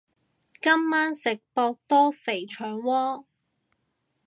今晚食博多牛腸鍋